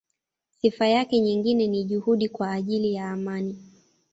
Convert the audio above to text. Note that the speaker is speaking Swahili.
Sifa yake nyingine ni juhudi kwa ajili ya amani.